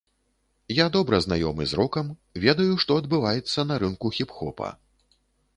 Я добра знаёмы з рокам, ведаю, што адбываецца на рынку хіп-хопа.